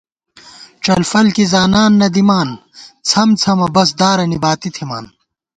ڄلفل کی زانان نہ دِمان ، څھمڅھمہ بس دارَنی باتی تھِمان